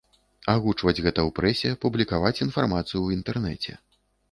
Агучваць гэта ў прэсе, публікаваць інфармацыю ў інтэрнэце.